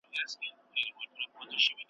دې ښارته به د اوښکو د سېلونو سلا نه وي ,